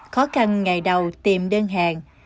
khó khăn ngày đầu tìm đơn hàng